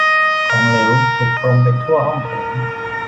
ของเหลวถูกพรมไปทั่วห้องโถง